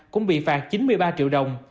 cũng bị phạt chín mươi ba triệu đồng